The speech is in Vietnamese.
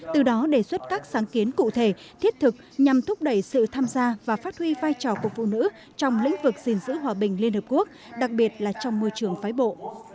từ đó đề xuất các sáng kiến cụ thể thiết thực nhằm thúc đẩy sự tham gia và phát huy vai trò của phụ nữ trong lĩnh vực gìn giữ hòa bình liên hợp quốc đặc biệt là trong môi trường phái bộ